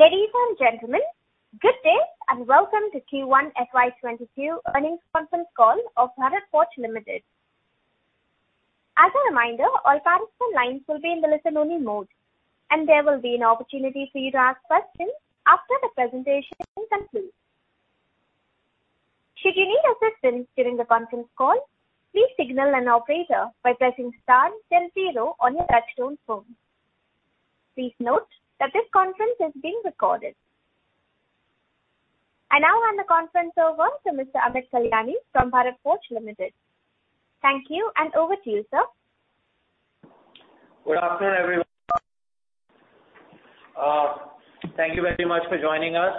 Ladies and gentlemen, good day, and welcome to Q1 FY 2022 earnings conference call of Bharat Forge Limited. As a reminder, all participant lines will be in the listen-only mode, and there will be an opportunity for you to ask questions after the presentation concludes. Should you need assistance during the conference call, please signal an operator by pressing star then zero on your touchtone phone. Please note that this conference is being recorded. I now hand the conference over to Mr. Amit Kalyani from Bharat Forge Limited. Thank you, and over to you, sir. Good afternoon, everyone. Thank you very much for joining us.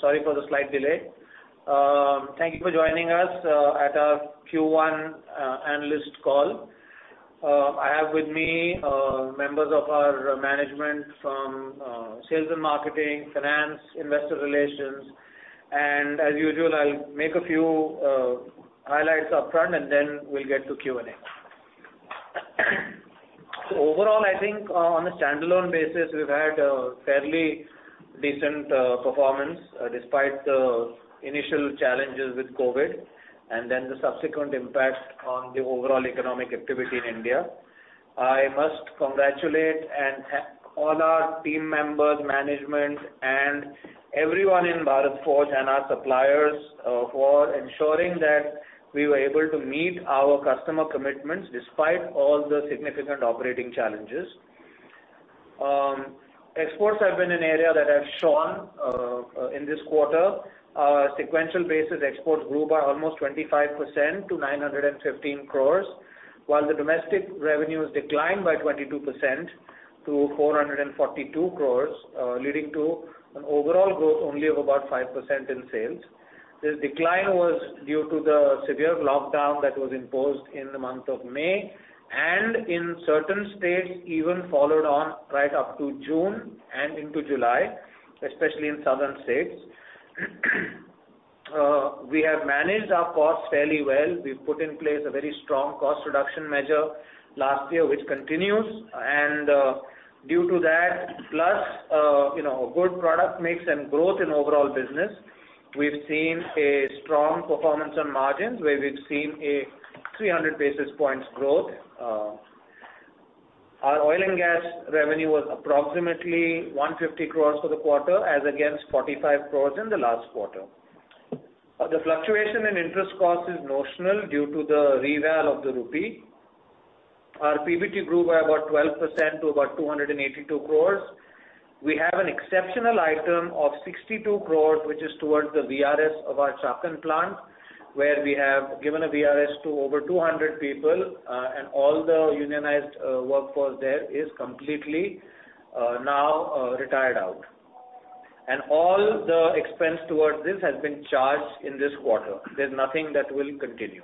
Sorry for the slight delay. Thank you for joining us at our Q1 analyst call. I have with me members of our management from sales and marketing, finance, investor relations, and as usual, I'll make a few highlights upfront and then we'll get to Q&A. Overall, I think on a standalone basis, we've had a fairly decent performance despite the initial challenges with COVID, and then the subsequent impact on the overall economic activity in India. I must congratulate and thank all our team members, management, and everyone in Bharat Forge and our suppliers for ensuring that we were able to meet our customer commitments despite all the significant operating challenges. Exports have been an area that have shone in this quarter. Sequential basis, exports grew by almost 25% to 915 crores, while the domestic revenues declined by 22% to 442 crores, leading to an overall growth only of about 5% in sales. This decline was due to the severe lockdown that was imposed in the month of May, and in certain states, even followed on right up to June and into July, especially in southern states. We have managed our costs fairly well. We've put in place a very strong cost reduction measure last year, which continues. Due to that, plus good product mix and growth in overall business, we've seen a strong performance on margins, where we've seen a 300 basis points growth. Our oil and gas revenue was approximately 150 crores for the quarter, as against 45 crores in the last quarter. The fluctuation in interest cost is notional due to the reval of the rupee. Our PBT grew by about 12% to about 282 crores. We have an exceptional item of 62 crores, which is towards the VRS of our Chakan plant, where we have given a VRS to over 200 people, and all the unionized workforce there is completely now retired out. All the expense towards this has been charged in this quarter. There's nothing that will continue.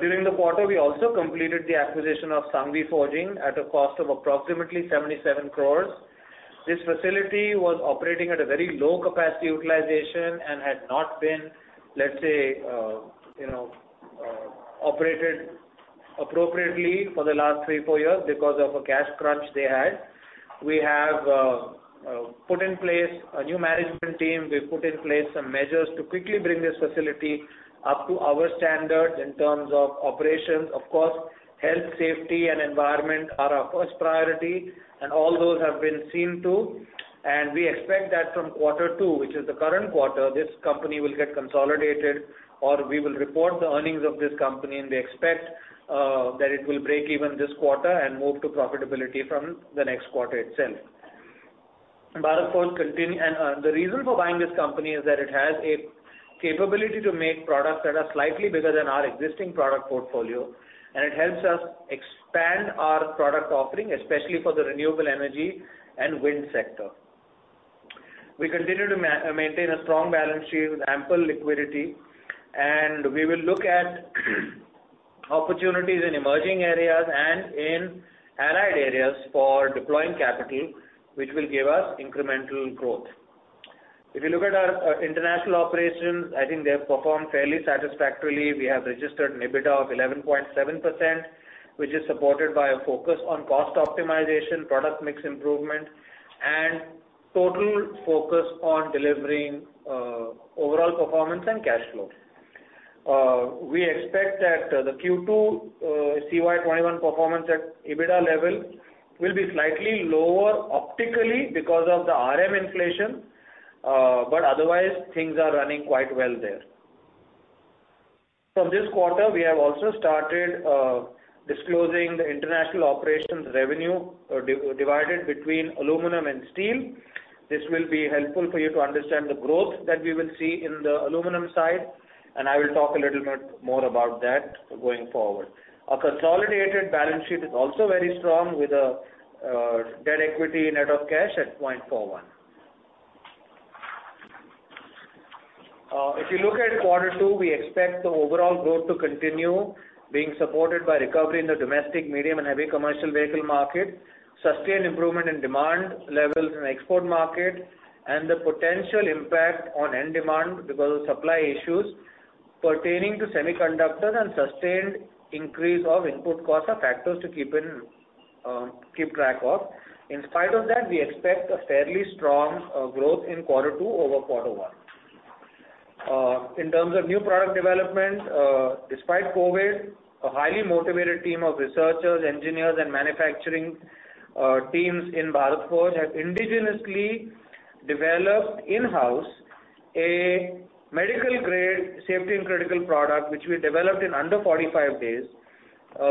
During the quarter, we also completed the acquisition of Sanghvi Forgings at a cost of approximately 77 crores. This facility was operating at a very low-capacity utilization and had not been, let's say, operated appropriately for the last three, four years because of a cash crunch they had. We have put in place a new management team. We've put in place some measures to quickly bring this facility up to our standards in terms of operations. Of course, health, safety, and environment are our first priority, and all those have been seen to. We expect that from quarter two, which is the current quarter, this company will get consolidated or we will report the earnings of this company, and we expect that it will break even this quarter and move to profitability from the next quarter itself. The reason for buying this company is that it has a capability to make products that are slightly bigger than our existing product portfolio, and it helps us expand our product offering, especially for the renewable energy and wind sector. We continue to maintain a strong balance sheet with ample liquidity, and we will look at opportunities in emerging areas and in allied areas for deploying capital, which will give us incremental growth. If you look at our international operations, I think they have performed fairly satisfactorily. We have registered an EBITDA of 11.7%, which is supported by a focus on cost optimization, product mix improvement, and total focus on delivering overall performance and cash flow. We expect that the Q2 CY 2021 performance at EBITDA level will be slightly lower optically because of the RM inflation. Otherwise, things are running quite well there. From this quarter, we have also started disclosing the international operations revenue divided between aluminum and steel. This will be helpful for you to understand the growth that we will see in the aluminum side. I will talk a little bit more about that going forward. Our consolidated balance sheet is also very strong with a debt equity net of cash at 0.41. If you look at quarter two, we expect the overall growth to continue being supported by recovery in the domestic, medium, and heavy commercial vehicle market, sustained improvement in demand levels in the export market, and the potential impact on end demand because of supply issues pertaining to semiconductors and sustained increase of input costs are factors to keep track of. In spite of that, we expect a fairly strong growth in quarter two over quarter one. In terms of new product development, despite COVID, a highly motivated team of researchers, engineers and manufacturing teams in Bharat Forge have indigenously developed in-house a medical-grade safety and critical product, which we developed in under 45 days,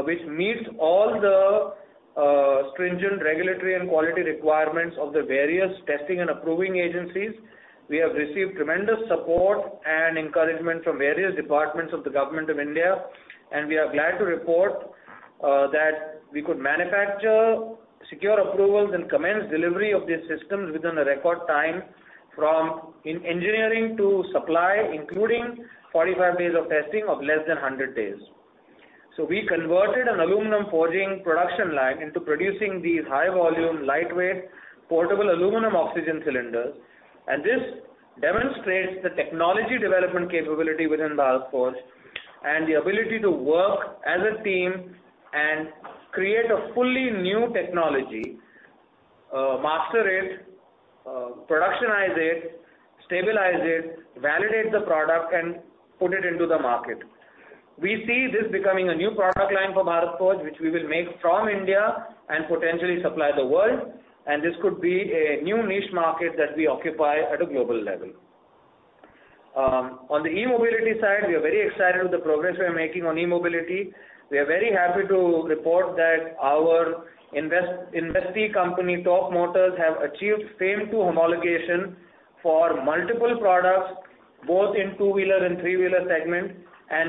which meets all the stringent regulatory and quality requirements of the various testing and approving agencies. We have received tremendous support and encouragement from various departments of the Government of India, and we are glad to report that we could manufacture, secure approvals and commence delivery of these systems within a record time from engineering to supply, including 45 days of testing of less than 100 days. We converted an aluminum forging production line into producing these high-volume, lightweight, portable aluminum oxygen cylinders. This demonstrates the technology development capability within Bharat Forge and the ability to work as a team and create a fully new technology, master it, productionize it, stabilize it, validate the product, and put it into the market. We see this becoming a new product line for Bharat Forge, which we will make from India and potentially supply the world, and this could be a new niche market that we occupy at a global level. On the e-mobility side, we are very excited with the progress we are making on e-mobility. We are very happy to report that our investee company, Tork Motors, have achieved FAME II homologation for multiple products, both in two-wheeler and three-wheeler segment.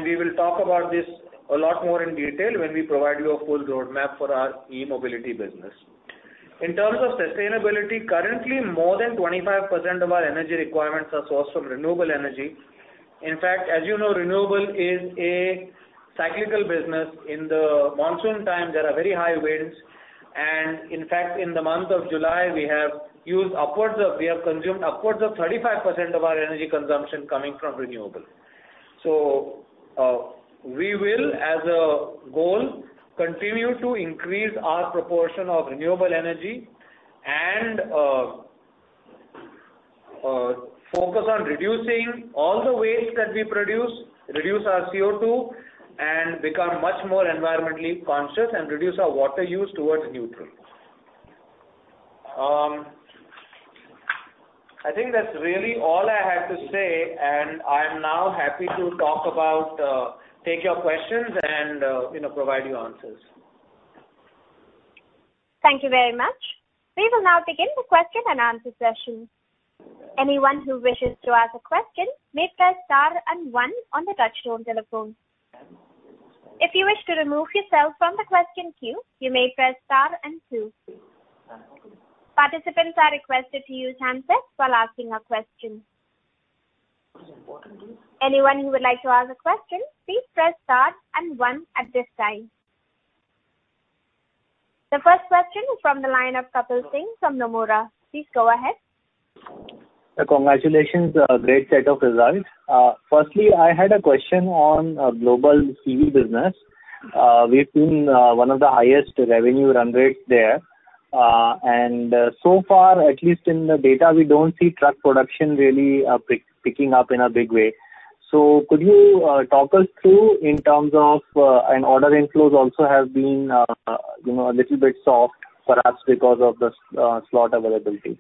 We will talk about this a lot more in detail when we provide you a full roadmap for our e-mobility business. In terms of sustainability, currently more than 25% of our energy requirements are sourced from renewable energy. In fact, as you know, renewable is a cyclical business. In the monsoon time, there are very high winds and in fact, in the month of July, we have consumed upwards of 35% of our energy consumption coming from renewables. We will, as a goal, continue to increase our proportion of renewable energy and focus on reducing all the waste that we produce, reduce our CO2 and become much more environmentally conscious and reduce our water use towards neutral. I think that is really all I have to say, and I am now happy to take your questions and provide you answers. Thank you very much. We will now begin the question and answer session. Anyone who wishes to ask a question may press star and one on the touchtone telephone. If you wish to remove yourself from the question queue, you may press star and two. Participants are requested to use handsets while asking a question. Is it working? Anyone who would like to ask a question, please press star and one at this time. The first question is from the line of Kapil Singh from Nomura. Please go ahead. Congratulations. A great set of results. I had a question on global CV business. We've seen one of the highest revenue run rates there. So far, at least in the data, we don't see truck production really picking up in a big way. Order inflows also have been a little bit soft perhaps because of the slot availability.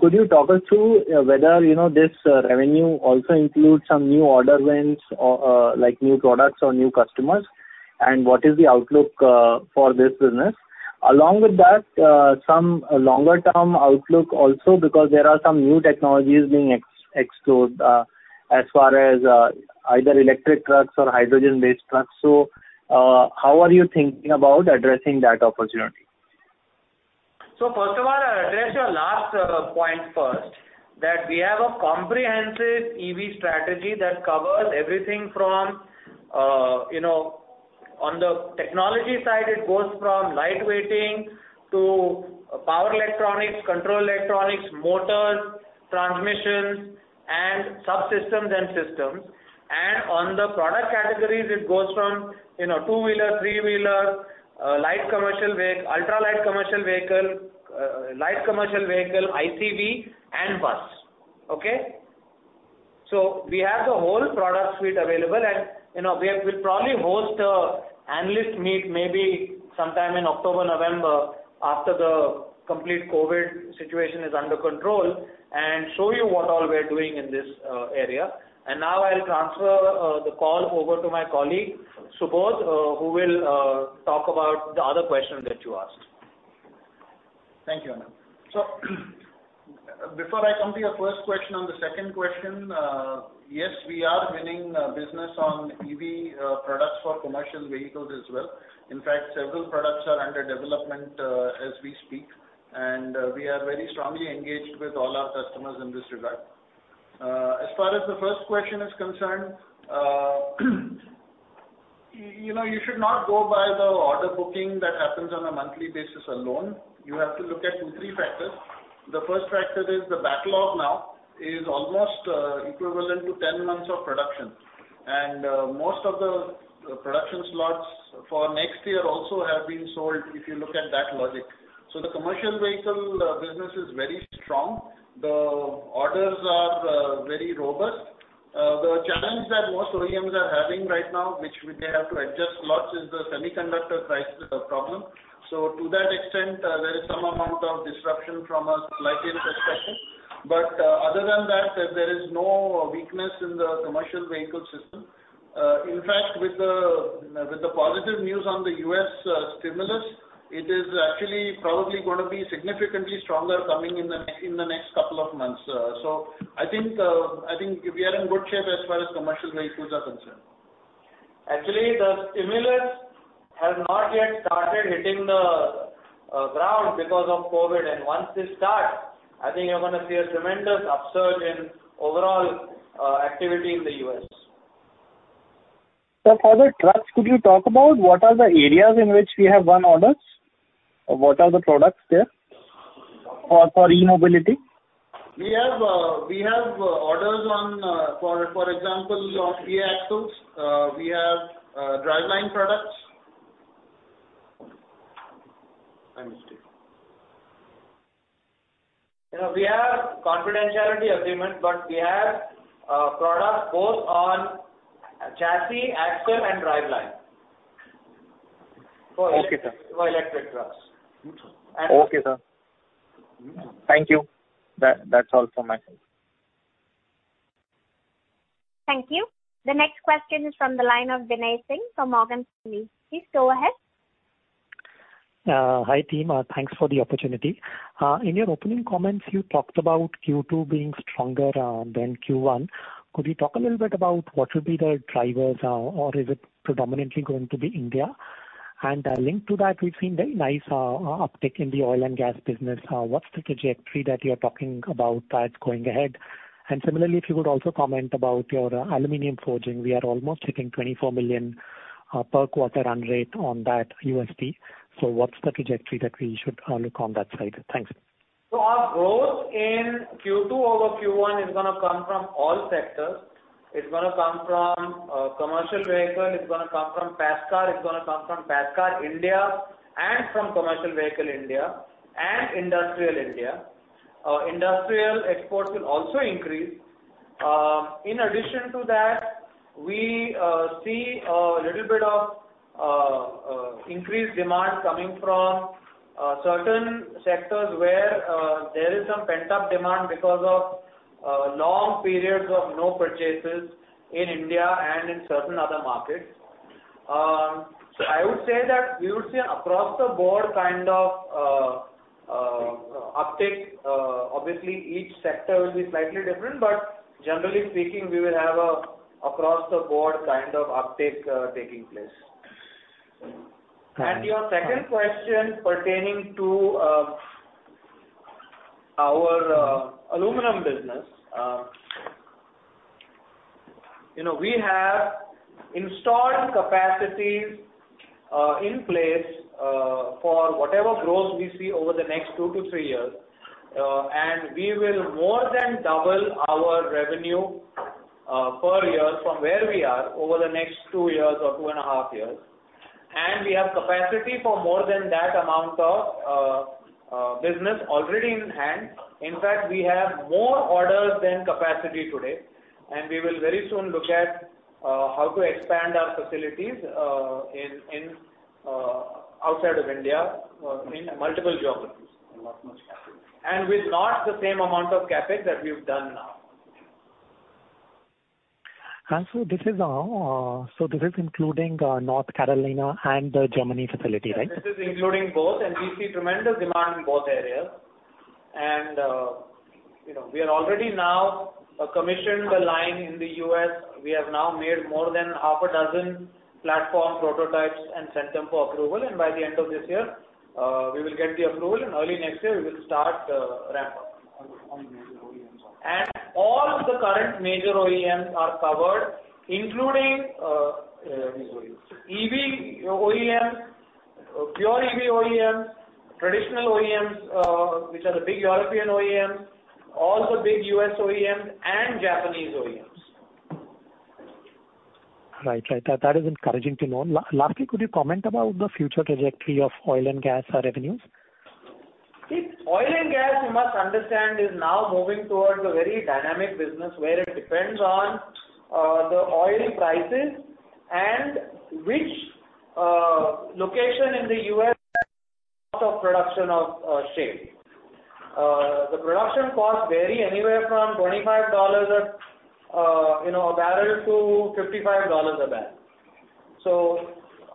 Could you talk us through whether this revenue also includes some new order wins, like new products or new customers, and what is the outlook for this business? Along with that, some longer term outlook also because there are some new technologies being explored, as far as either electric trucks or hydrogen-based trucks. How are you thinking about addressing that opportunity? First of all, I'll address your last point first, that we have a comprehensive EV strategy that covers everything from, on the technology side, it goes from lightweighting to power electronics, control electronics, motors, transmissions, and subsystems and systems. On the product categories, it goes from two-wheeler, three-wheeler, light commercial vehicle, ultra-light commercial vehicle, light commercial vehicle, ICV and bus. Okay? We have the whole product suite available and we'll probably host an analyst meet maybe sometime in October, November after the complete COVID situation is under control and show you what all we're doing in this area. Now I'll transfer the call over to my colleague, Subodh, who will talk about the other question that you asked. Thank you, Amit. Before I come to your first question, on the second question, yes, we are winning business on EV products for commercial vehicles as well. In fact, several products are under development as we speak, and we are very strongly engaged with all our customers in this regard. As far as the first question is concerned, you should not go by the order booking that happens on a monthly basis alone. You have to look at two, three factors. The first factor is the backlog now is almost equivalent to 10 months of production, and most of the production slots for next year also have been sold if you look at that logic. The commercial vehicle business is very strong. The orders are very robust. The challenge that most OEMs are having right now, which they have to adjust lots, is the semiconductor crisis problem. To that extent, there is some amount of disruption from a supply chain perspective. Other than that, there is no weakness in the commercial vehicle system. In fact, with the positive news on the U.S. stimulus, it is actually probably going to be significantly stronger coming in the next couple of months. I think we are in good shape as far as commercial vehicles are concerned. Actually, the stimulus has not yet started hitting the ground because of COVID, and once this starts, I think you're going to see a tremendous upsurge in overall activity in the U.S. Sir, for the trucks, could you talk about what are the areas in which we have won orders? What are the products there for e-mobility? We have orders on, for example, on e-axles. We have driveline products. I missed it. We have confidentiality agreement, but we have products both on chassis, axle, and driveline. Okay, sir. For electric trucks. Okay, sir. Thank you. That's all from my side. Thank you. The next question is from the line of Binay Singh from Morgan Stanley. Please go ahead. Hi, team. Thanks for the opportunity. In your opening comments, you talked about Q2 being stronger than Q1. Could you talk a little bit about what should be the drivers, or is it predominantly going to be India? Linked to that, we've seen very nice uptick in the oil and gas business. What's the trajectory that you're talking about that's going ahead? Similarly, if you could also comment about your aluminum forging. We are almost hitting 24 million per quarter run rate on that USP. What's the trajectory that we should look on that side? Thanks. Our growth in Q2 over Q1 is going to come from all sectors. It's going to come from commercial vehicle, it's going to come from PACCAR, it's going to come from PACCAR India, and from Commercial Vehicle India and Industrial India. Industrial Exports will also increase. In addition to that, we see a little bit of increased demand coming from certain sectors where there is some pent-up demand because of long periods of no purchases in India and in certain other markets. I would say that we would see an across the board kind of uptick. Obviously, each sector will be slightly different, but generally speaking, we will have a across the board kind of uptick taking place. Thanks. Your second question pertaining to our aluminum business. We have installed capacities in place for whatever growth we see over the next tw to three years, and we will more than double our revenue per year from where we are over the next two years or two and a half years. We have capacity for more than that amount of business already in hand. In fact, we have more orders than capacity today, and we will very soon look at how to expand our facilities outside of India in multiple geographies. Not much CapEx. With not the same amount of CapEx that we've done now. This is including North Carolina and the Germany facility, right? Yes, this is including both. We see tremendous demand in both areas. We are already now commissioned the line in the U.S. We have now made more than half a dozen platform prototypes and sent them for approval. By the end of this year, we will get the approval, and early next year, we will start ramp-up. On major OEMs. All of the current major OEMs are covered, including- EV OEMs. EV OEMs, pure EV OEMs, traditional OEMs, which are the big European OEMs, all the big U.S. OEMs, and Japanese OEMs. Right. That is encouraging to know. Lastly, could you comment about the future trajectory of oil and gas revenues? Oil and gas, you must understand, is now moving towards a very dynamic business where it depends on the oil prices and which location in the U.S. has the cost of production of shale. The production costs vary anywhere from $25 a barrel-$55 a barrel.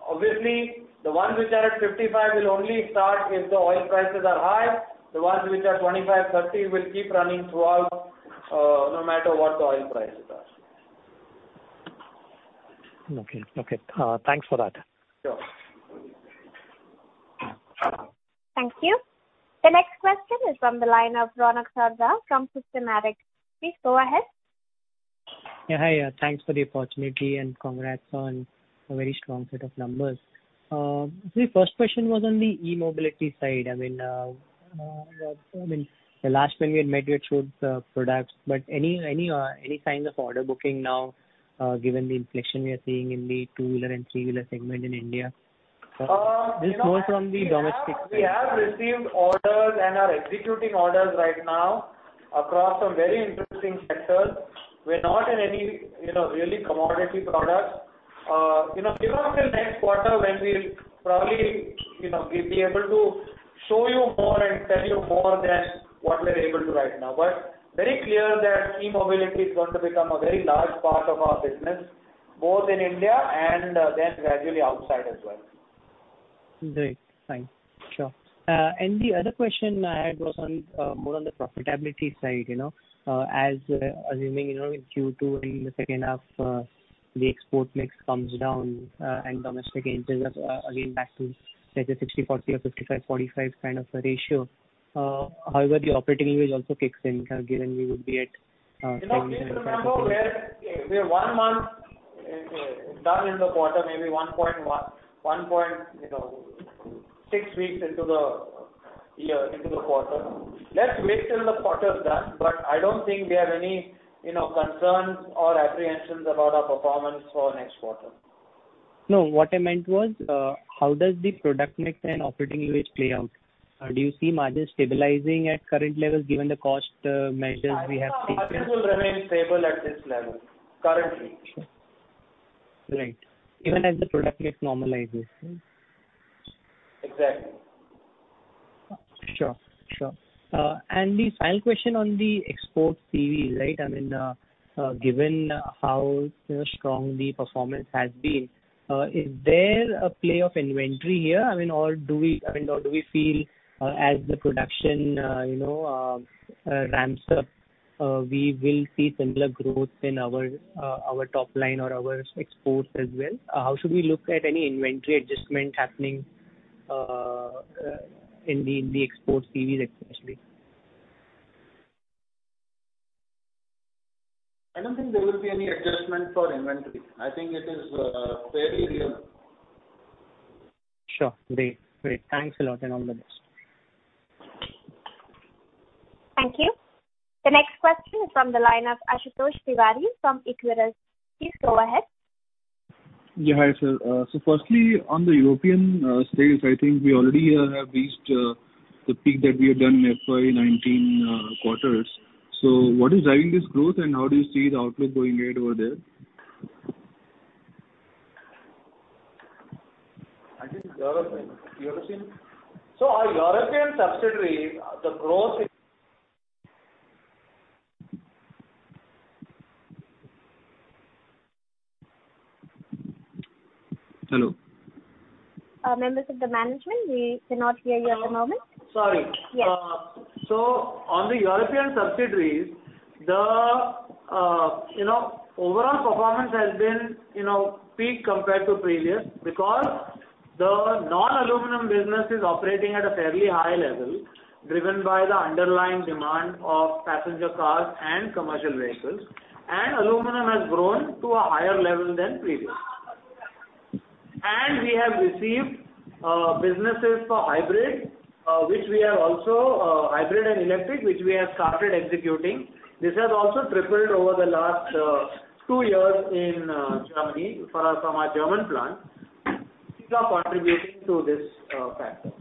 Obviously, the ones which are at $55 will only start if the oil prices are high. The ones which are $25, $30 will keep running throughout, no matter what the oil prices are. Okay. Thanks for that. Sure. Thank you. The next question is from the line of Ronak Sarda from Systematix. Please go ahead. Yeah. Hi. Thanks for the opportunity, and congrats on a very strong set of numbers. The first question was on the e-mobility side. The last time we had met, you had showed the products, but any signs of order booking now, given the inflection we are seeing in the two-wheeler and three-wheeler segment in India? This goes from the domestic space. We have received orders and are executing orders right now across some very interesting sectors. We're not in any really commodity product. Give us till next quarter when we'll probably be able to show you more and tell you more than what we're able to right now. Very clear that e-mobility is going to become a very large part of our business, both in India and then gradually outside as well. Great. Fine. Sure. The other question I had was more on the profitability side. As assuming in Q2, in the second half, the export mix comes down and domestic engines are again back to such a 60/40 or 55/45 kind of a ratio. However, the operating wage also kicks in. Please remember we're one month done in the quarter, maybe 1.6 weeks into the quarter. Let's wait till the quarter is done. I don't think we have any concerns or apprehensions about our performance for next quarter. No, what I meant was, how does the product mix and operating leverage play out? Do you see margins stabilizing at current levels given the cost measures we have taken? Margins will remain stable at this level, currently. Right. Even as the product mix normalizes? Exactly. Sure. The final question on the export CV, given how strong the performance has been, is there a play of inventory here? Or do we feel as the production ramps up, we will see similar growth in our top line or our exports as well? How should we look at any inventory adjustment happening in the export CVs especially? I don't think there will be any adjustment for inventory. I think it is fairly real. Sure. Great. Thanks a lot, and all the best. Thank you. The next question is from the line of Ashutosh Tiwari from Equirus. Please go ahead. Yeah. Hi, sir. Firstly, on the European sales, I think we already have reached the peak that we have done in FY 2019 quarters. What is driving this growth and how do you see the outlook going ahead over there? I think European. Our European subsidiaries, the growth- Hello? Members of the management, we cannot hear you at the moment. Sorry. Yes. On the European subsidiaries, the overall performance has been peak compared to previous, because the non-aluminum business is operating at a fairly high level, driven by the underlying demand of passenger cars and commercial vehicles. Aluminum has grown to a higher level than previous. We have received businesses for hybrid and electric, which we have started executing. This has also tripled over the last two years in Germany from our German plant. These are contributing to this factor.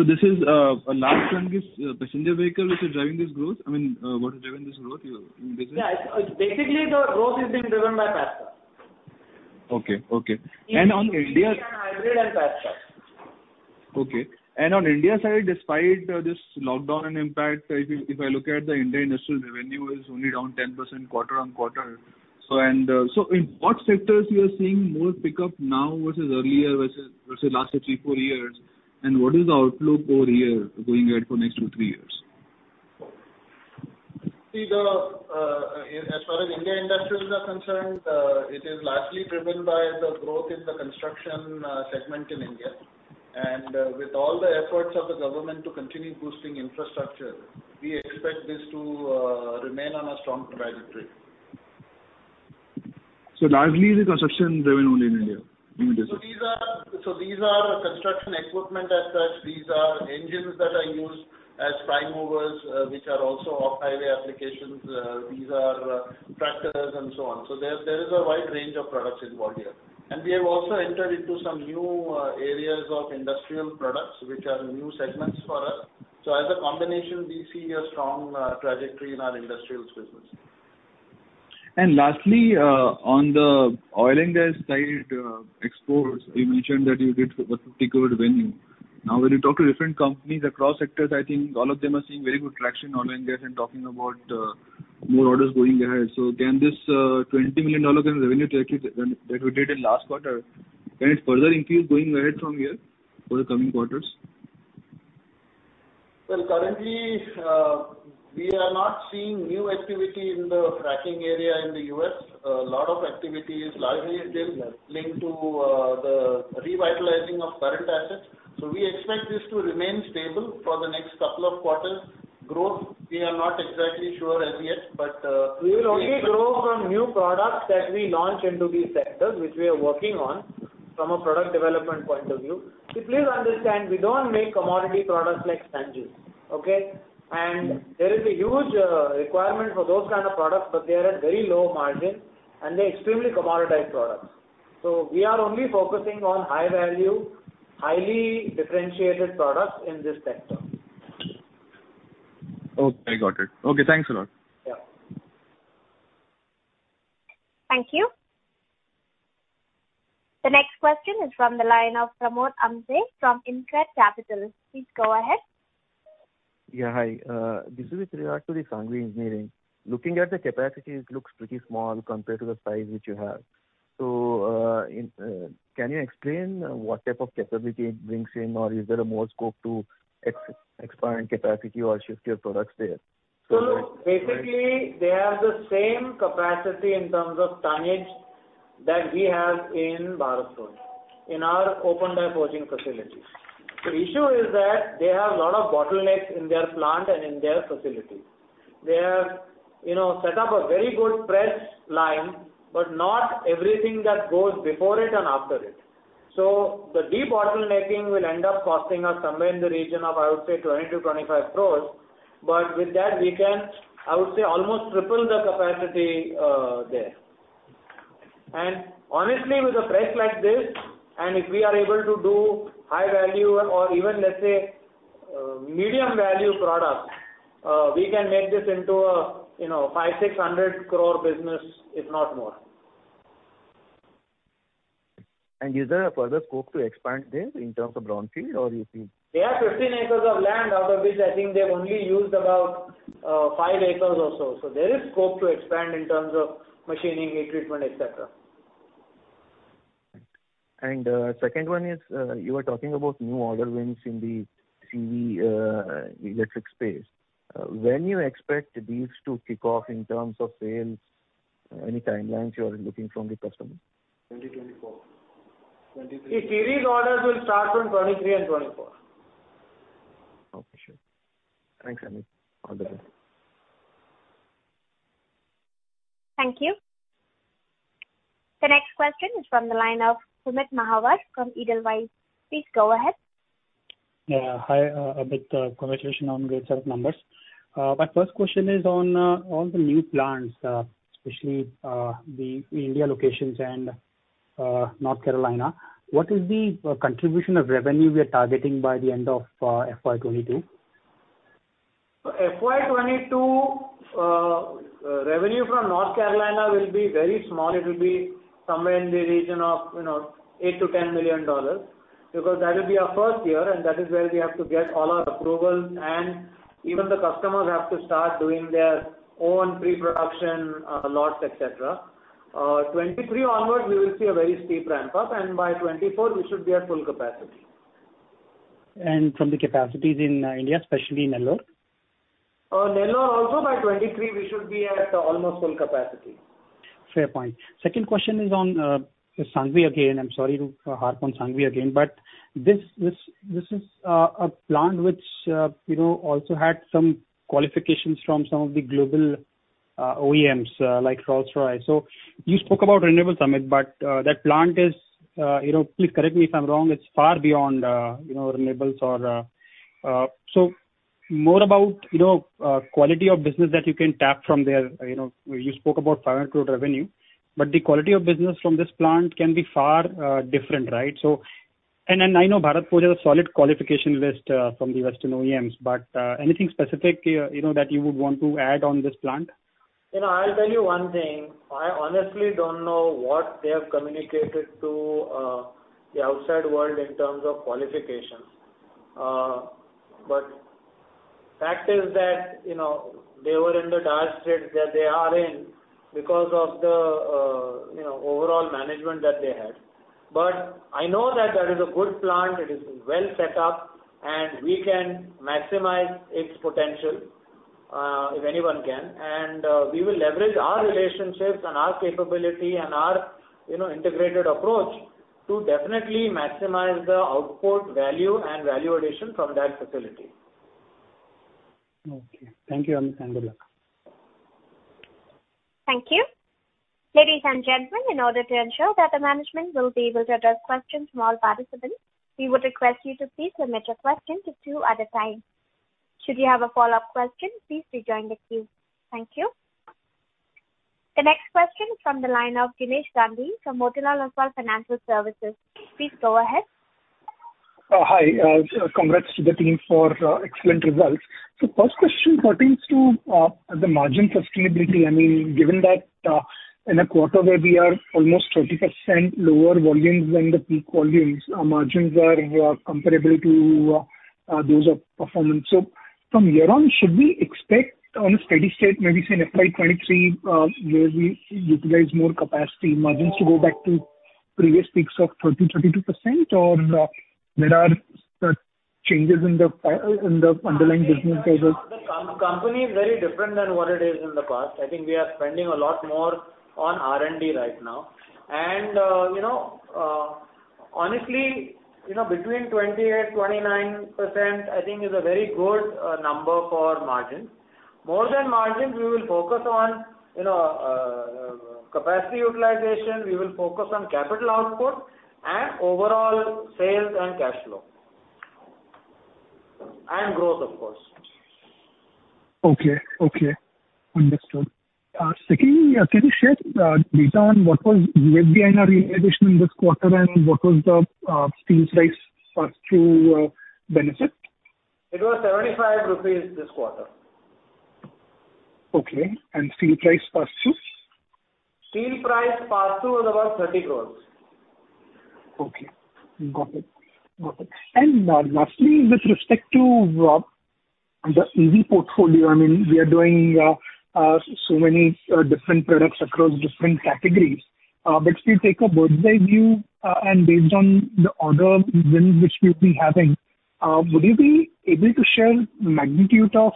This is a large chunk is passenger vehicle which is driving this growth? What is driving this growth? Yeah. Basically, the growth is being driven by passenger. Okay. On India. Passenger and hybrid. Okay. On India side, despite this lockdown and impact, if I look at the India industrial revenue is only down 10% quarter-on-quarter. In what sectors you are seeing more pickup now versus earlier versus last three, four years? What is the outlook over here going ahead for next two, three years? See, as far as India industrials are concerned, it is largely driven by the growth in the construction segment in India. With all the efforts of the government to continue boosting infrastructure, we expect this to remain on a strong trajectory. Largely the construction driven only in India? These are construction equipment as such. These are engines that are used as prime movers, which are also off-highway applications. These are tractors and so on. There is a wide range of products involved here. We have also entered into some new areas of industrial products, which are new segments for us. As a combination, we see a strong trajectory in our industrials business. Lastly, on the oil and gas side exports, you mentioned that you did a pretty good revenue. When you talk to different companies across sectors, I think all of them are seeing very good traction oil and gas and talking about more orders going ahead. Can this $20 million in revenue that you did in last quarter, can it further increase going ahead from here for the coming quarters? Well, currently, we are not seeing new activity in the fracking area in the U.S. A lot of activity is largely still linked to the revitalizing of current assets. We expect this to remain stable for the next couple of quarters. Growth, we are not exactly sure as yet. We will only grow from new products that we launch into these sectors, which we are working on from a product development point of view. Please understand, we don't make commodity products like Sanghvi, okay? There is a huge requirement for those kind of products, but they are at very low margin, and they're extremely commoditized products. We are only focusing on high-value, highly differentiated products in this sector. Okay, got it. Okay, thanks a lot. Yeah. Thank you. The next question is from the line of Pramod Amthe from InCred Capital. Please go ahead. Yeah, hi. This is with regard to the Sanghvi Engineering. Looking at the capacity, it looks pretty small compared to the size which you have. Can you explain what type of capacity it brings in? Is there more scope to expand capacity or shift your products there? Basically, they have the same capacity in terms of tonnage that we have in Bharat Forge in our open die forging facilities. The issue is that they have a lot of bottlenecks in their plant and in their facilities. They have set up a very good press line, but not everything that goes before it and after it. The de-bottlenecking will end up costing us somewhere in the region of, I would say, 20 crores-25 crores, but with that we can, I would say, almost triple the capacity there. Honestly, with a press like this, and if we are able to do high-value or even, let's say, medium-value products, we can make this into a 500 crore-600 crore business, if not more. Is there a further scope to expand this in terms of brownfield? They have 15 acres of land, out of which I think they've only used about 5 acres or so. There is scope to expand in terms of machining, heat treatment, et cetera. Second one is, you were talking about new order wins in the electric space. When you expect these to kick off in terms of sales? Any timelines you are looking from the customer? 2024. The series orders will start from 2023 and 2024. Okay, sure. Thanks, Amit. All the best. Thank you. The next question is from the line of Amit Mahawar from Edelweiss. Please go ahead. Yeah. Hi, Amit. Congratulations on great set of numbers. My first question is on all the new plants, especially the India locations and North Carolina. What is the contribution of revenue we are targeting by the end of FY 2022? FY 2022 revenue from North Carolina will be very small. It will be somewhere in the region of $8 million-$10 million, because that will be our first year, and that is where we have to get all our approvals, and even the customers have to start doing their own pre-production, lots, et cetera. 2023 onwards, we will see a very steep ramp-up, and by 2024, we should be at full capacity. From the capacities in India, especially in Nellore? Nellore also, by 2023, we should be at almost full capacity. Fair point. Second question is on Sanghvi again. I'm sorry to harp on Sanghvi again, but this is a plant which also had some qualifications from some of the global OEMs like Rolls-Royce. You spoke about renewables, Amit, but that plant is, please correct me if I'm wrong, it's far beyond renewables. More about quality of business that you can tap from there. You spoke about 500 crore revenue, but the quality of business from this plant can be far different, right? I know Bharat has a solid qualification list from the Western OEMs, but anything specific that you would want to add on this plant? I'll tell you one thing. I honestly don't know what they have communicated to the outside world in terms of qualifications. Fact is that they were in the dire straits that they are in because of the overall management that they had. I know that that is a good plant, it is well set up, and we can maximize its potential, if anyone can. We will leverage our relationships and our capability and our integrated approach to definitely maximize the output value and value addition from that facility. Okay. Thank you, Amit, and good luck. Thank you. Ladies and gentlemen, in order to ensure that the management will be able to address questions from all participants, we would request you to please submit your question to two at a time. Should you have a follow-up question, please rejoin the queue. Thank you. The next question is from the line of Jinesh Gandhi from Motilal Oswal Financial Services. Please go ahead. Hi. Congrats to the team for excellent results. First question pertains to the margin sustainability. Given that in a quarter where we are almost 30% lower volumes than the peak volumes, our margins are comparable to those of performance. From here on, should we expect on a steady state, maybe say in FY 2023, where we utilize more capacity, margins to go back to previous peaks of 30%, 32%, or there are changes in the underlying business as a The company is very different than what it is in the past. I think we are spending a lot more on R&D right now. Honestly, between 28%-29%, I think is a very good number for margins. More than margins, we will focus on capacity utilization, we will focus on capital output, and overall sales and cash flow. Growth, of course. Okay. Understood. Secondly, can you share data on what was the USD/INR realization in this quarter, and what was the steel price pass-through benefit? It was 75 rupees this quarter. Okay. steel price pass-through? Steel price pass-through was about INR 30 crores. Okay. Got it. Lastly, with respect to the EV portfolio, we are doing so many different products across different categories. If we take a bird's-eye view, and based on the order wins which we'll be having, would you be able to share the magnitude of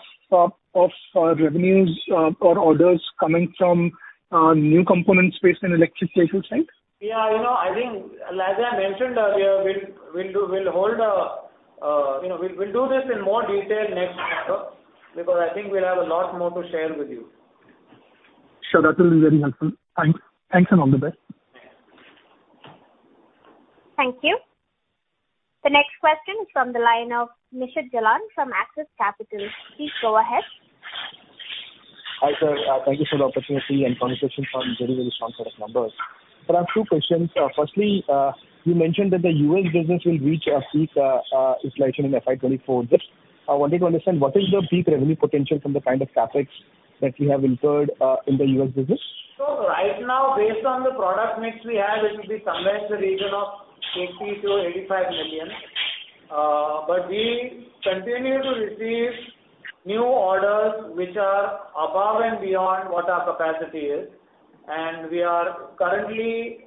revenues or orders coming from new component space and electric vehicle side? Yeah. As I mentioned earlier, we'll do this in more detail next quarter, because I think we'll have a lot more to share with you. Sure. That will be very helpful. Thanks, and all the best. Yeah. Thank you. The next question is from the line of Nishit Jalan from Axis Capital. Please go ahead. Hi, sir. Thank you for the opportunity and congratulations on very, very strong set of numbers. Sir, I have two questions. Firstly, you mentioned that the U.S. business will reach a peak, it's likely in FY 2024. Just, I wanted to understand what is the peak revenue potential from the kind of CapEx that you have incurred in the U.S. business? Right now, based on the product mix we have, it will be somewhere in the region of 80 million-85 million. We continue to receive new orders which are above and beyond what our capacity is. We are currently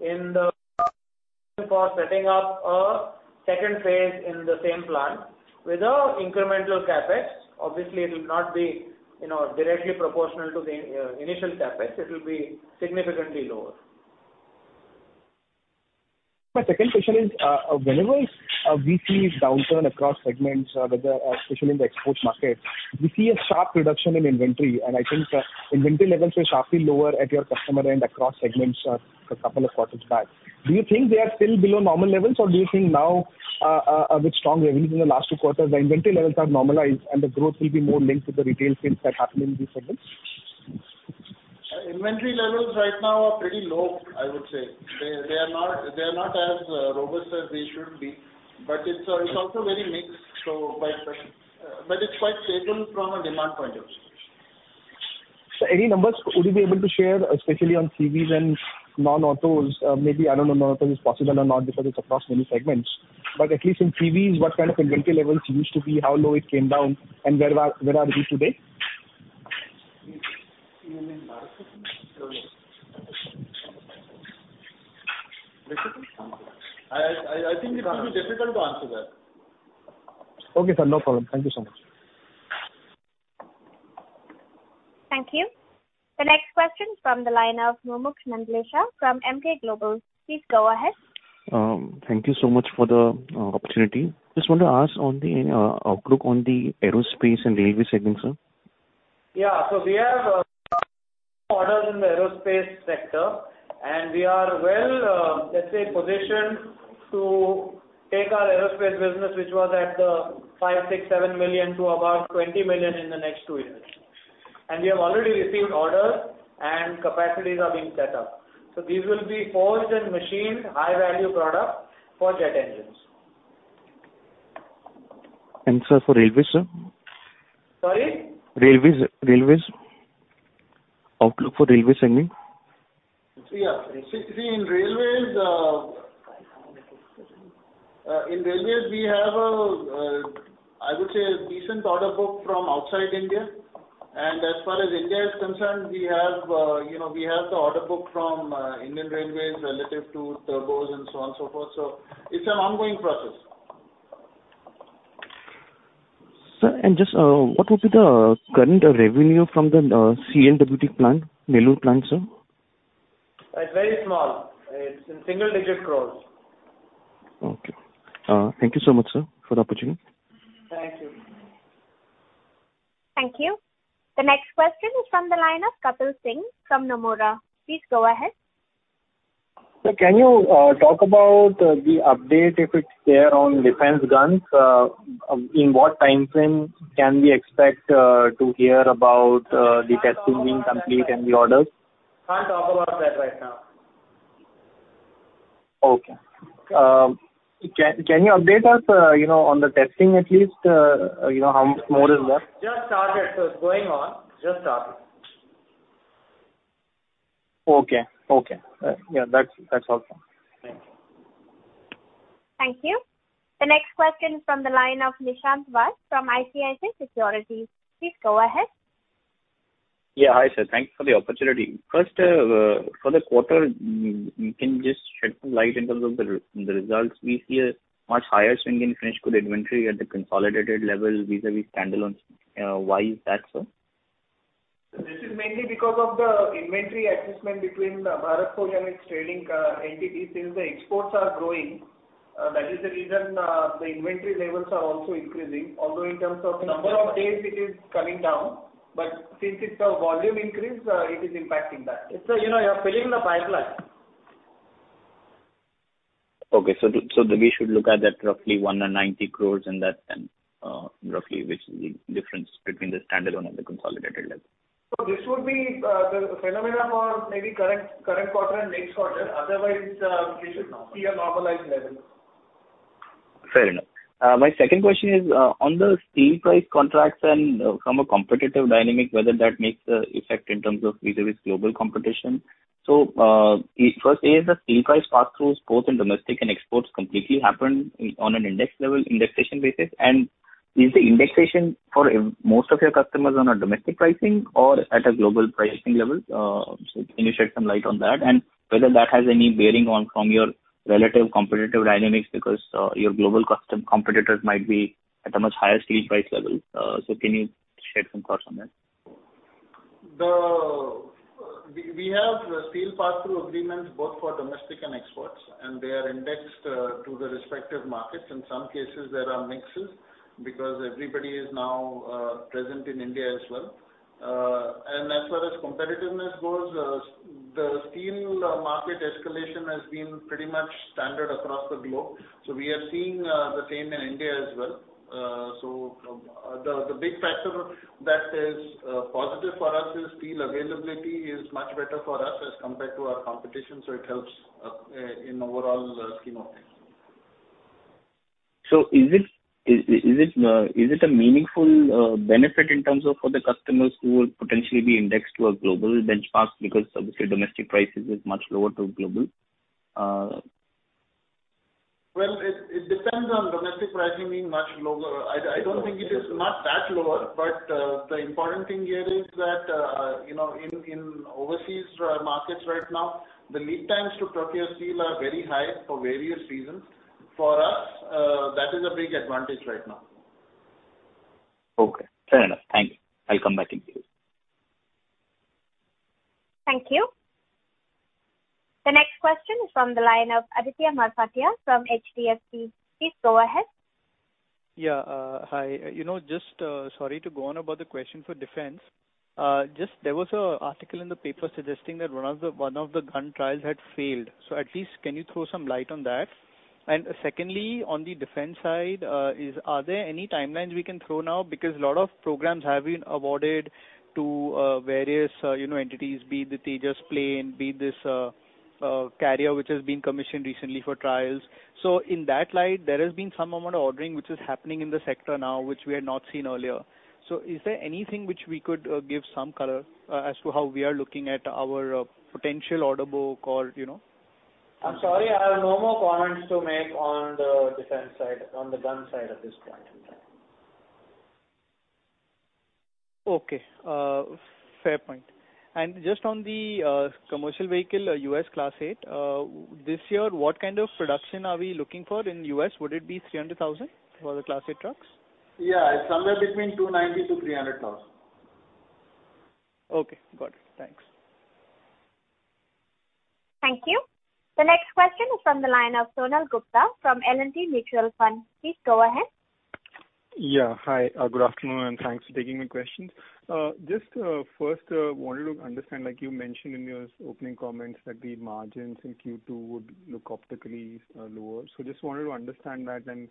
setting up a second phase in the same plant with an incremental CapEx. Obviously, it will not be directly proportional to the initial CapEx. It will be significantly lower. My second question is, whenever we see a downturn across segments, whether especially in the export market, we see a sharp reduction in inventory, and I think inventory levels were sharply lower at your customer end across segments a couple of quarters back. Do you think they are still below normal levels, or do you think now, with strong revenues in the last two quarters, the inventory levels are normalized and the growth will be more linked to the retail sales that happen in these segments? Inventory levels right now are pretty low, I would say. They are not as robust as they should be. It's also very mixed, so by quarters. It's quite stable from a demand point of view. Sir, any numbers would you be able to share, especially on CVs and non-autos? Maybe, I don't know if auto is possible or not because it's across many segments. At least in CVs, what kind of inventory levels used to be, how low it came down, and where are we today? I think it will be difficult to answer that. Okay, sir. No problem. Thank you so much. Thank you. The next question from the line of Mumuksh Mandlesha from Emkay Global. Please go ahead. Thank you so much for the opportunity. Just want to ask on the outlook on the aerospace and railway segment, sir. Yeah. We have orders in the aerospace sector, and we are well positioned to take our aerospace business, which was at the 5 million, 6 million, 7 million to about 20 million in the next two years. We have already received orders and capacities are being set up. These will be forged and machined high-value product for jet engines. Sir, for railways, sir? Sorry? Railways. Outlook for railway segment. Yeah. See, in railways, we have, I would say, a decent order book from outside India. As far as India is concerned, we have the order book from Indian Railways relative to turbos and so on and so forth. It's an ongoing process. Sir, just what would be the current revenue from the CLWT Plant, Nellore Plant, sir? It's very small. It's in single-digit crores. Okay. Thank you so much, sir, for the opportunity. Thank you. Thank you. The next question is from the line of Kapil Singh from Nomura. Please go ahead. Sir, can you talk about the update, if it's there, on defense guns? In what time frame can we expect to hear about the testing being complete and the orders? Can't talk about that right now. Okay. Can you update us on the testing at least, how much more is there? Just started. It's going on. Just started. Okay. Yeah, that's all, sir. Thank you. Thank you. The next question is from the line of Nishant Vass from ICICI Securities. Please go ahead. Hi, sir. Thanks for the opportunity. First, for the quarter, can you just shed some light in terms of the results? We see a much higher swing in finished goods inventory at the consolidated level vis-à-vis standalone. Why is that so? This is mainly because of the inventory adjustment between Bharat Forge and its trading entity. Since the exports are growing, that is the reason the inventory levels are also increasing, although in terms of number of days it is coming down, but since it's a volume increase, it is impacting that. You're filling the pipeline. Okay. We should look at that roughly 190 crores and that then roughly, which is the difference between the standalone and the consolidated level. This would be the phenomenon for maybe current quarter and next quarter. Otherwise, we should see a normalized level. Fair enough. My second question is on the steel price contracts and from a competitive dynamic, whether that makes an effect in terms of vis-à-vis global competition. First is the steel price pass-throughs both in domestic and exports completely happen on an index level, indexation basis? Is the indexation for most of your customers on a domestic pricing or at a global pricing level? Can you shed some light on that? Whether that has any bearing on from your relative competitive dynamics because your global competitors might be at a much higher steel price level. Can you shed some thoughts on that? We have steel pass-through agreements both for domestic and exports, and they are indexed to the respective markets. In some cases, there are mixes because everybody is now present in India as well. As far as competitiveness goes, the steel market escalation has been pretty much standard across the globe. We are seeing the same in India as well. The big factor that is positive for us is steel availability is much better for us as compared to our competition, so it helps in overall scheme of things. Is it a meaningful benefit in terms of for the customers who will potentially be indexed to a global benchmark because obviously domestic prices is much lower to global? Well, it depends on domestic pricing being much lower. I don't think it is not that lower. The important thing here is that in overseas markets right now, the lead times to procure steel are very high for various reasons. For us, that is a big advantage right now. Okay. Fair enough. Thank you. I'll come back if needed. Thank you. The next question is from the line of Aditya Makharia from HDFC. Please go ahead. Yeah. Hi. Just sorry to go on about the question for defense. There was an article in the paper suggesting that one of the gun trials had failed. At least can you throw some light on that? Secondly, on the defense side, are there any timelines we can throw now because a lot of programs have been awarded to various entities, be it the Tejas plane, be it this carrier which has been commissioned recently for trials. In that light, there has been some amount of ordering which is happening in the sector now, which we had not seen earlier. Is there anything which we could give some color as to how we are looking at our potential order book or, you know. I'm sorry, I have no more comments to make on the defense side, on the gun side at this point in time. Okay. Fair point. Just on the Commercial Vehicle, U.S. Class 8. This year, what kind of production are we looking for in U.S.? Would it be 300,000 crores for the Class 8 trucks? Yeah, it's somewhere between 290,000 crores-300,000 crores. Okay, got it. Thanks. Thank you. The next question is from the line of Sonal Gupta from L&T Mutual Fund. Please go ahead. Hi, good afternoon, thanks for taking the questions. First wanted to understand, like you mentioned in your opening comments, that the margins in Q2 would look optically lower. Just wanted to understand that and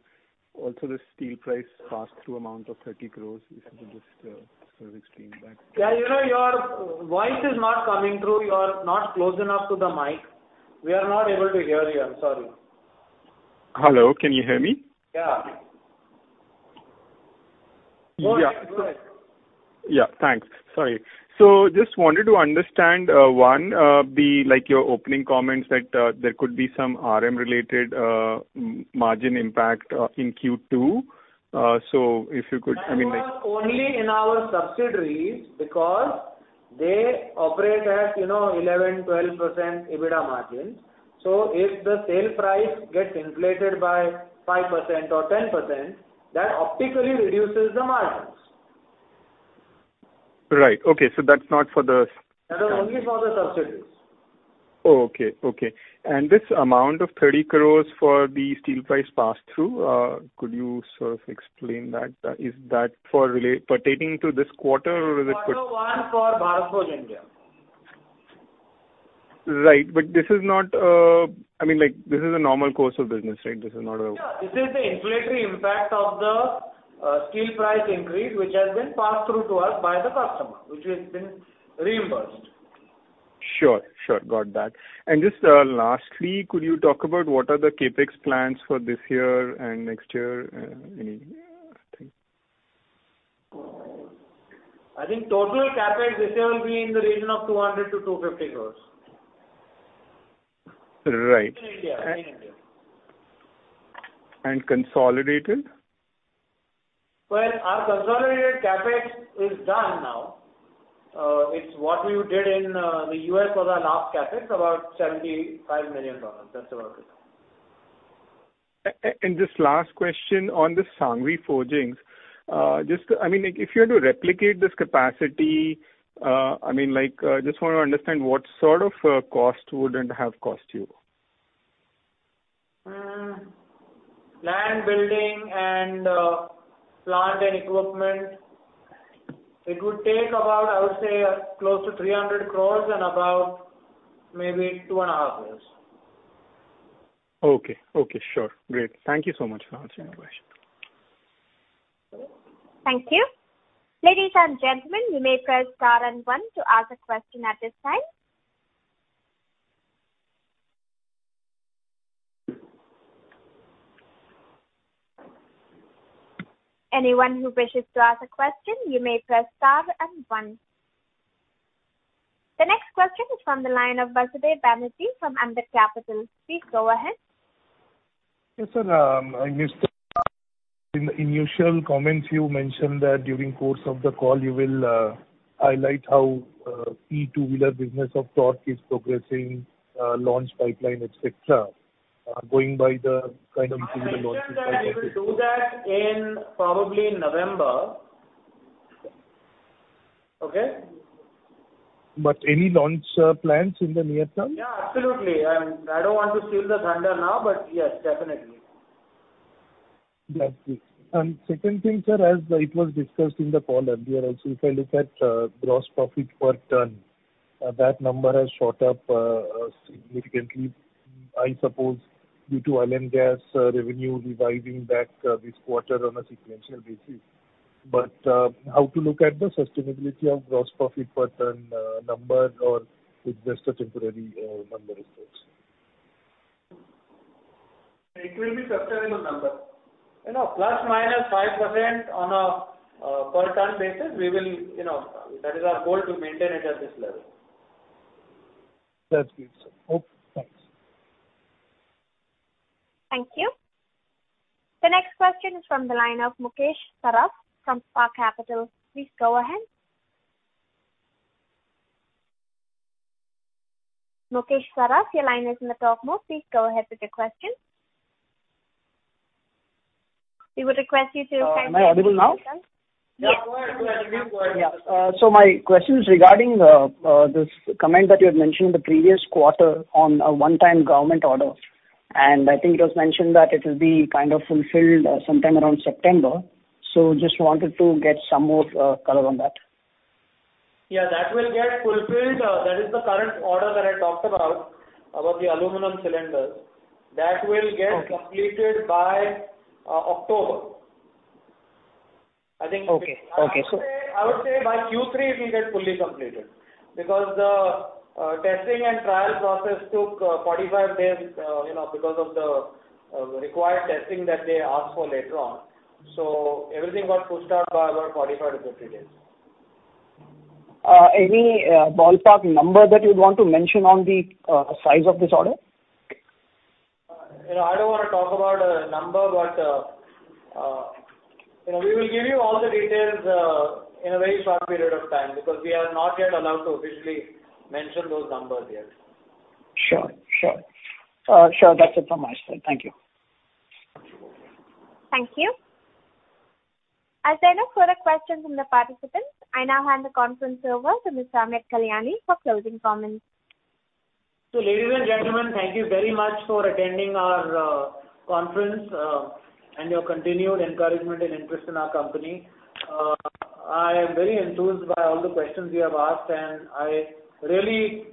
also the steel price pass-through amount of 30 crores. If you could just sort of explain that. Yeah. Your voice is not coming through. You're not close enough to the mic. We are not able to hear you. I'm sorry. Hello, can you hear me? Yeah. Yeah. Go ahead. Yeah, thanks. Sorry. Just wanted to understand, one, like your opening comments, that there could be some RM-related margin impact in Q2. That was only in our subsidiaries because they operate at 11%, 12% EBITDA margins. If the sale price gets inflated by 5% or 10%, that optically reduces the margins. Right. Okay. That's not for the. That was only for the subsidiaries. Okay. This amount of 30 crores for the steel price pass-through, could you sort of explain that? Is that pertaining to this quarter or is it? Quarter one for Bharat Forge India. Right. This is a normal course of business, right? Yeah. This is the inflationary impact of the steel price increase, which has been passed through to us by the customer, which has been reimbursed. Sure. Got that. Just lastly, could you talk about what are the CapEx plans for this year and next year? Anything. I think total CapEx this year will be in the region of 200 crores-250 crores. Right. In India. Consolidated? Well, our consolidated CapEx is done now. It is what we did in the U.S. for our last CapEx, about $75 million. That is about it. Just last question on the Sanghvi Forgings. If you had to replicate this capacity, I just want to understand what sort of cost would it have cost you? Land, building, and plant and equipment, it would take about, I would say, close to 300 crores and about maybe two and a half years. Okay. Sure. Great. Thank you so much for answering my question. Thank you. The next question is from the line of Basudeb Banerjee from Ambit Capital. Please go ahead. Yes, sir. In your initial comments, you mentioned that during the course of the call, you will highlight how e-two-wheeler business of Tork is progressing, launch pipeline, et cetera. I mentioned that I will do that in probably November. Okay? Any launch plans in the near term? Yeah, absolutely. I don't want to steal the thunder now, but yes, definitely. That's it. Second thing, sir, as it was discussed in the call earlier also, if I look at gross profit per ton, that number has shot up significantly, I suppose due to oil and gas revenue reviving back this quarter on a sequential basis. How to look at the sustainability of gross profit per ton number or it's just a temporary number, I suppose. It will be sustainable number. ±5% on a per ton basis, that is our goal to maintain it at this level. That's good, sir. Okay, thanks. Thank you. The next question is from the line of Mukesh Saraf from Spark Capital. Please go ahead. Mukesh Saraf, your line is in the talk mode. Please go ahead with your question. Am I audible now? Yes. Yeah. You are. My question is regarding this comment that you had mentioned the previous quarter on a one-time government order, and I think it was mentioned that it will be kind of fulfilled sometime around September. Just wanted to get some more color on that. Yeah, that will get fulfilled. That is the current order that I talked about the aluminum cylinder. That will get completed by October. Okay. I would say by Q3 it will get fully completed because the testing and trial process took 45 days because of the required testing that they asked for later on. Everything got pushed out by about 45-50 days. Any ballpark number that you'd want to mention on the size of this order? I don't want to talk about a number, but we will give you all the details in a very short period of time because we are not yet allowed to officially mention those numbers yet. Sure. That's it from my side. Thank you. Thank you. As there are no further questions from the participants, I now hand the conference over to Mr. Amit Kalyani for closing comments. Ladies and gentlemen, thank you very much for attending our conference, and your continued encouragement and interest in our company. I am very enthused by all the questions you have asked, and I really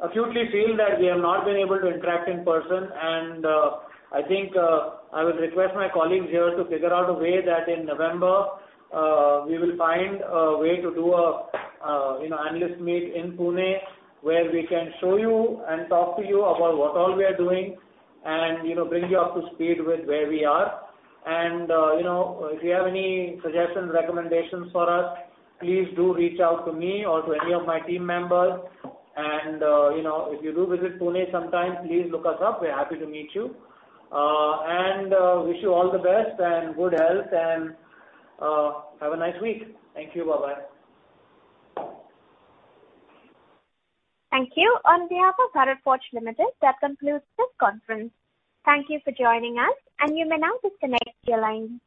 acutely feel that we have not been able to interact in person. I think I will request my colleagues here to figure out a way that in November, we will find a way to do an analyst meet in Pune, where we can show you and talk to you about what all we are doing and bring you up to speed with where we are. If you have any suggestions, recommendations for us, please do reach out to me or to any of my team members. If you do visit Pune sometime, please look us up. We're happy to meet you. Wish you all the best and good health and have a nice week. Thank you. Bye-bye. Thank you. On behalf of Bharat Forge Limited, that concludes this conference. Thank you for joining us, you may now disconnect your line.